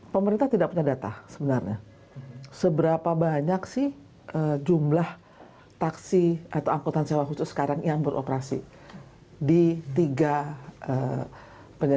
pemerintah belum tahu berapa